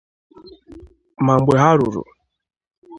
mana mgbe ha ruru